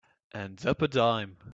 And up a dime.